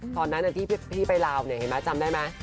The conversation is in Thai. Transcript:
ตอนนั้นที่พี่ไปลาวเนี่ยเห็นไหมจำได้ไหม